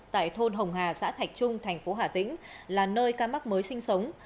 tại thôn hồng hà xã thạch trung thành phố hà tĩnh là nơi ca mắc mới sinh sống